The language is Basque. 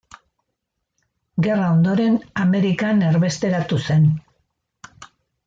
Gerra ondoren, Amerikan erbesteratu zen.